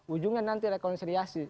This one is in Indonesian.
ujungnya nanti rekonseliasi